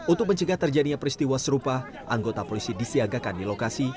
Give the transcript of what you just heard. untuk mencegah terjadinya peristiwa serupa anggota polisi disiagakan di lokasi